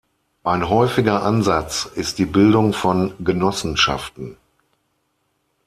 Ein häufiger Ansatz ist die Bildung von Genossenschaften.